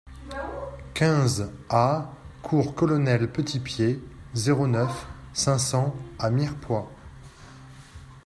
quinze A cours Colonel Petitpied, zéro neuf, cinq cents à Mirepoix